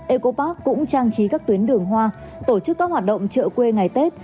ecobuck cũng trang trí các tuyến đường hoa tổ chức các hoạt động trợ quê ngày tết